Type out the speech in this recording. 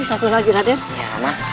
satu lagi raden